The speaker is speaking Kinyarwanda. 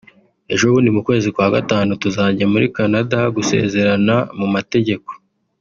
ejobundi mu kwezi kwa Gatanu tuzajya muri Canada gusezerana mu mategeko